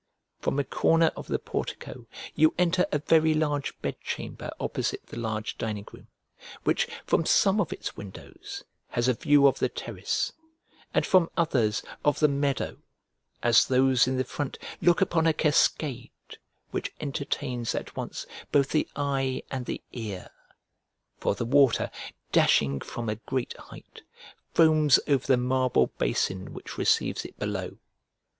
From a corner of the portico you enter a very large bed chamber opposite the large dining room, which from some of its windows has a view of the terrace, and from others, of the meadow, as those in the front look upon a cascade, which entertains at once both the eye and the ear; for the water, dashing from a great height, foams over the marble basin which receives it below.